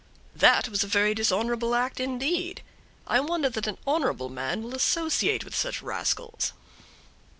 "That was a very dishonorable act, indeed; I wonder that an honorable man will associate with such rascals."